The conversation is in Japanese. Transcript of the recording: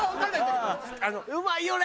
うまいよね。